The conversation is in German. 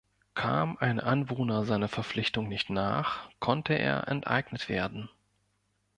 Kam ein Anwohner seiner Verpflichtung nicht nach, konnte er enteignet werden.